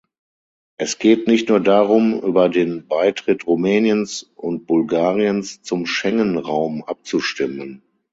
Es geht nicht nur darum, über den Beitritt Rumäniens und Bulgariens zum Schengen-Raum abzustimmen.